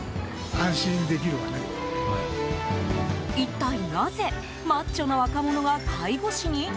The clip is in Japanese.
一体なぜマッチョな若者が介護士に？